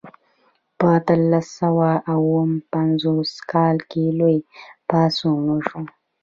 په اتلس سوه او اووه پنځوسم کال کې لوی پاڅون وشو.